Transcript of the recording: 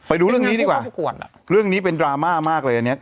ไปดูเรื่องนี้ดีกว่าเป็นงานผู้เข้าประกวดอ่ะเรื่องนี้เป็นดราม่ามากเลยอันเนี้ย